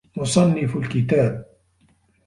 مُصَنِّفُ الْكِتَابِ